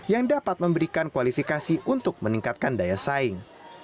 yang dapat memberikan kualifikasi untuk meningkatkan daya saing